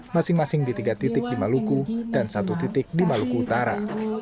masing masing di tiga titik di maluku dan satu titik di maluku utara